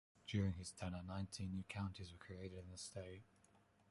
During his tenure nineteen new counties were created in the state.